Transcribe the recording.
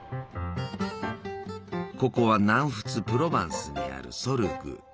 ここは南仏プロヴァンスにあるソルグ。